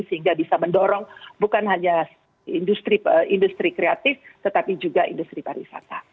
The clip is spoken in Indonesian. sehingga bisa mendorong bukan hanya industri kreatif tetapi juga industri pariwisata